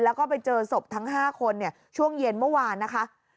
แล้วก็ไปเจอศพทั้ง๕คนช่วงเย็นเมื่อวานนะคะ